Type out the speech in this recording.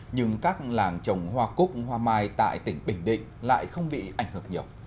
nhưng các làng trồng hoa cúc hoa mai tại tỉnh bình định lại không bị ảnh hưởng nhiều